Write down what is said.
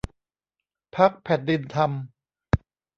พรรคแผ่นดินธรรม